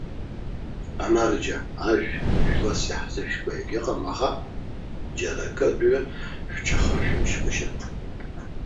Амарџьа, ажә жәлас иаҳзышәкуа егьыҟам, аха џьара акы атәыҩа шәҽахашәымшьгәышьан.